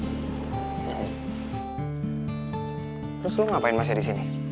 terus lo ngapain masanya di sini